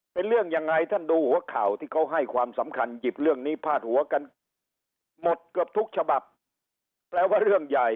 เป็นเรื่องยังไงท่านดูหัวข่าวที่เขาให้ความสำคัญหยิบเรื่องนี้พาดหัวกันหมดเกือบทุกฉบับแปลว่าเรื่องใหญ่